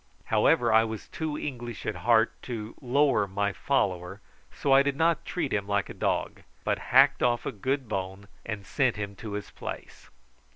However, I was too English at heart to lower my follower, so I did not treat him like a dog, but hacked off a good bone and sent him to his place.